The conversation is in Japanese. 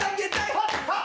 ハッハッ！